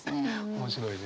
面白いね。